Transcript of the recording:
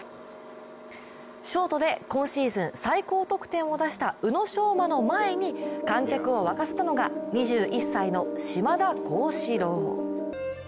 ショートで今シーズン最高得点を出した宇野昌磨の前に観客を沸かせたのが２１歳の島田高志郎。